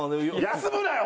休むなよ！